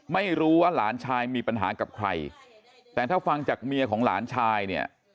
ไม่รู้ว่าหลานชายมีปัญหากับใครแต่ถ้าฟังจากเมียของหลานชายเนี่ย